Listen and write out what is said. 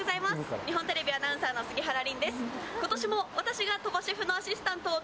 日本テレビアナウンサーの杉原凜です。